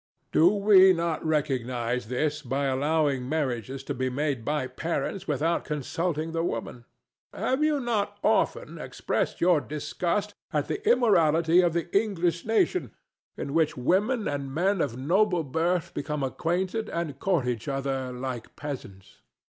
Do we not recognize this by allowing marriages to be made by parents without consulting the woman? Have you not often expressed your disgust at the immorality of the English nation, in which women and men of noble birth become acquainted and court each other like peasants?